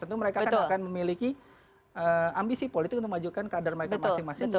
tentu mereka akan memiliki ambisi politik untuk majukan kader mereka masing masing